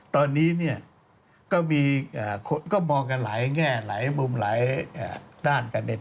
ตอนนี้ก็มองกันหลายแง่หลายมุมหลายด้านกัน